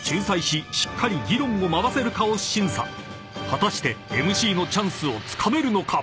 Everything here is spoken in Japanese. ［果たしてＭＣのチャンスをつかめるのか⁉］